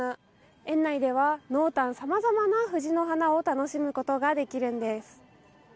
園内では濃淡さまざまな藤の花を楽しむことができるんです。